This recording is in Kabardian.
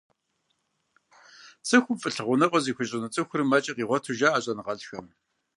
Цӏыхум фӏылъагъуныгъэ зыхуищӏыну цӏыхур, мэкӏэ къигъуэту жаӏэ щӏэныгъэлӏхэм.